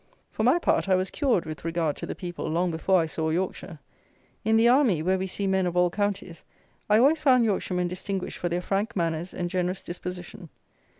For my part, I was cured with regard to the people long before I saw Yorkshire. In the army, where we see men of all counties, I always found Yorkshiremen distinguished for their frank manners and generous disposition.